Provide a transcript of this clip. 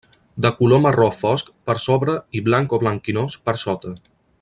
De color marró fosc per sobre i blanc o blanquinós per sota.